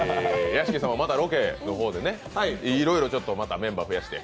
屋敷さんはまだロケのほうで、いろいろメンバーを増やして。